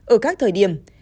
ở các thời điểm